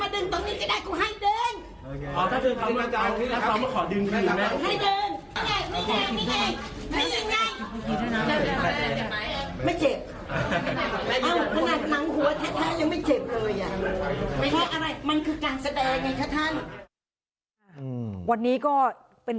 ดึงตรงนี้ก็ได้กูให้ดึง